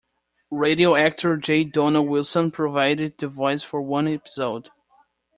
Radio actor J. Donald Wilson provided the voice for one episode.